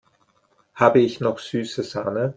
Habe ich noch süße Sahne?